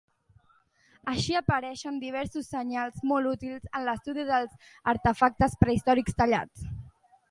Així, apareixen diversos senyals molt útils en l'estudi dels artefactes prehistòrics tallats.